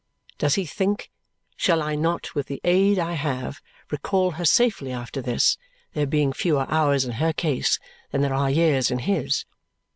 Does he think, "Shall I not, with the aid I have, recall her safely after this, there being fewer hours in her case than there are years in his?"